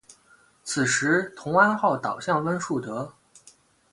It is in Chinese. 此时同安号倒向温树德。